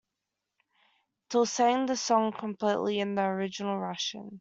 Till sang the song completely in the original Russian.